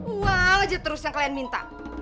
wow aja terus yang kalian minta